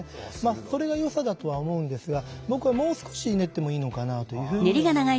それがよさだとは思うんですが僕はもう少し練ってもいいのかなというふうには思います。